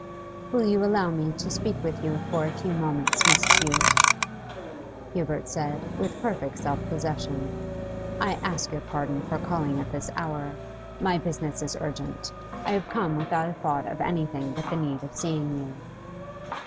'Will you allow me to speak with you for a few moments, Miss Tew?' Hubert said, with perfect self possession. 'I ask your pardon for calling at this hour. My business is urgent; I have come without a thought of anything but the need of seeing you.